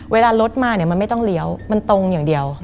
เวลารถมาเนี่ยมันไม่ต้องเลี้ยวมันตรงอย่างเดียว